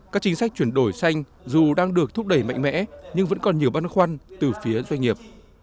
các chính sách chuyển đổi xanh dù đang được thúc đẩy mạnh mẽ nhưng vẫn còn nhiều băn khoăn từ phía doanh nghiệp